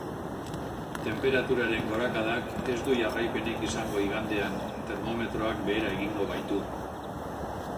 Tenperaturaren gorakadak ez du jarraipenik izango igandean, termometroak behera egingo baitu.